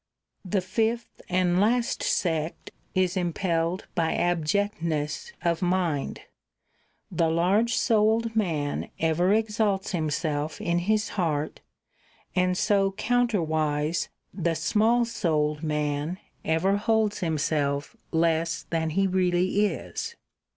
The fifth and last sect is impelled by abject v. ness of mind. The large souled man ever exalts himself in his heart, and so counter wise the small souled man ever holds himself [1303 less 52 THE CONVIVIO Ch. Pusil than he really is.